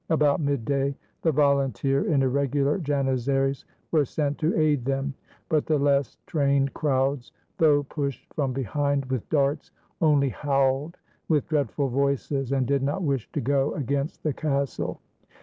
About midday the volunteer and irregular Jan izaries were sent to aid them; but the less trained crowds, though pushed from behind with darts, only howled with dreadful voices, and did not wish to go against the castle.